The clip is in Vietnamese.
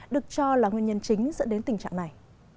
được cho là nguyên nhân chính dẫn đến tình trạng này